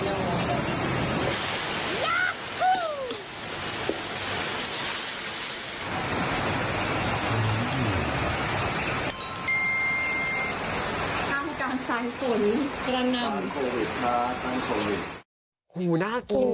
โอ้โหน่ากินมากเลย